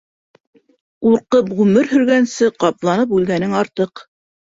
Ҡурҡып ғүмер һөргәнсе, ҡапланып үлгәнең артыҡ.